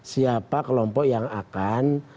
siapa kelompok yang akan